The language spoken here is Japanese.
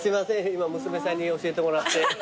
今娘さんに教えてもらって。